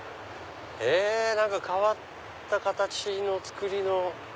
へぇ何か変わった形の造りの。